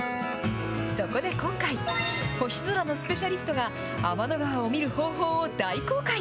そこで今回、星空のスペシャリストが、天の川を見る方法を大公開。